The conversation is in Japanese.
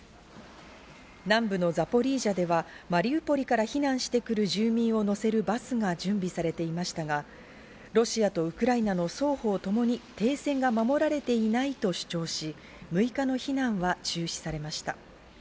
南部のザポリージャではマリウポリから避難してくる住民を乗せるバスが準備されていましたが、ロシアとウクライナの双方ともに停戦が守られていないと主張し、６日の避難は中止されました。